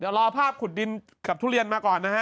เดี๋ยวรอภาพขุดดินกับทุเรียนมาก่อนนะฮะ